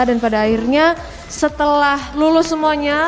dan pada akhirnya setelah lulus semuanya